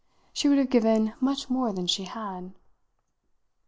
She would have given much more than she had.